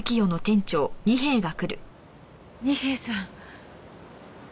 二瓶さん。